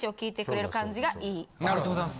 ありがとうございます。